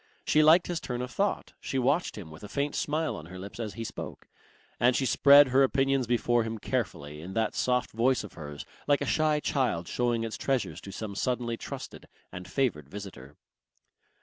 She liked his turn of thought, she watched him with a faint smile on her lips as he spoke, and she spread her opinions before him carefully in that soft voice of hers like a shy child showing its treasures to some suddenly trusted and favoured visitor.